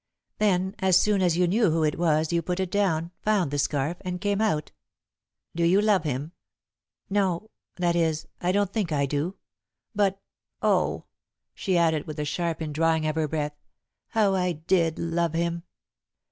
Then, as soon as you knew who it was, you put it down, found the scarf, and came out." "Do you love him?" "No. That is, I don't think I do. But oh," she added, with a sharp indrawing of her breath, "how I did love him!"